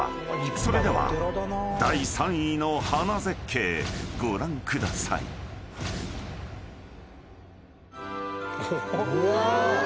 ［それでは第３位の花絶景ご覧ください］うわ！